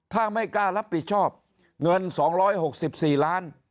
ถ้าไม่กล้ารับผิดชอบเงิน๒๖๔ล้าน